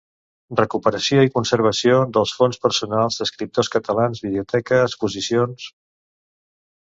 Recuperació i conservació dels fons personals d'escriptors catalans, videoteca, exposicions.